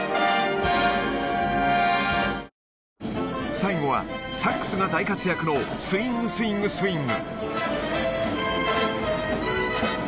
最後は、サックスが大活躍のスイング・スイング・スイング。